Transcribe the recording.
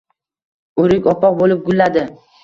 O’rik oppoq bo’lib gulladi…